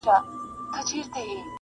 ډکه پیاله به راته راوړي خالي جام اړوم